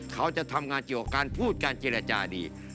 เขาจะทำงานเกี่ยวกับการพูดการเจรจาดี